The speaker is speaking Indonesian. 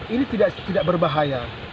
ini tidak berbahaya